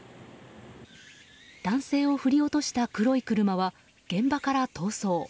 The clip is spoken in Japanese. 男性を振り落とした黒い車は現場から逃走。